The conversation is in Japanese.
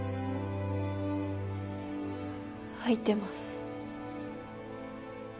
吐いてます。